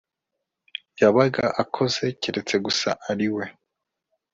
yabaga akoze keretse gusa ari we